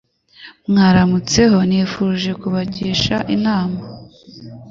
Mwaramutseho nifuje kubagisha inama,